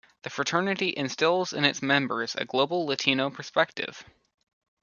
The fraternity instills in its members a global Latino perspective.